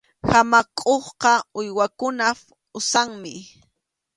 Hamakʼuqa uywakunap usanmi.